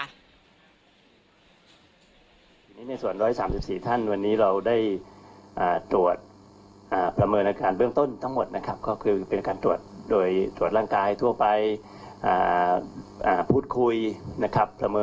ทีนี้เนี่ยส่วนร้อยสามสิบสี่ท่านวันนี้เราได้อ่าตรวจอ่าประเมินอาการเบื้องต้นทั้งหมดนะครับ